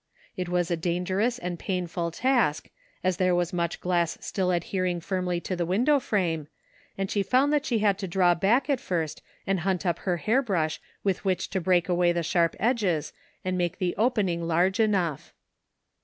It was a dangerous and painful task, as there was much glass still adhering firmly to the window frame, and she found that she had to draw back at first and hunt up her hair brush with which to break away the sharp edges and make the opening large enough.